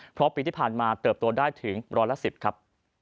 เพราะปีที่ผ่านมาเติบโตได้ถึงร้อยละ๑๐ครับ